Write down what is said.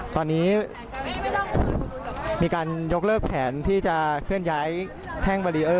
ตอนนี้มีการยกเลขแผนที่จะขึ้นย้ายแท่งปลีเอ้อ